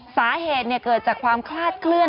สาเหตุเกิดจากความคลาดเคลื่อ